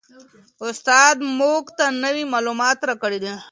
استاد موږ ته نوي معلومات راکړي دي.